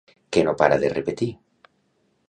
Què no para de repetir?